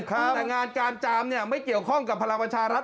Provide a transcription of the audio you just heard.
แต่งานการจามไม่เกี่ยวข้องกับพลังประชารัฐ